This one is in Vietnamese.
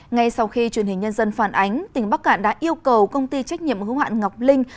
ngay sau khi truyền hình nhân dân phản ánh tỉnh bắc cạn đã yêu cầu công ty trách nhiệm hữu hạn ngọc linh